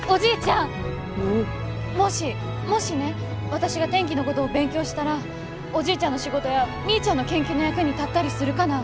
私が天気のごどを勉強したらおじいちゃんの仕事やみーちゃんの研究の役に立ったりするかな？